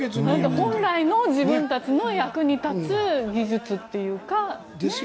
本来の自分たちの役に立つ技術というか。